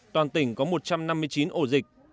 toàn tỉnh có một trăm năm mươi chín ổ dịch